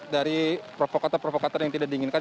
dari provokator provokator yang tidak diinginkan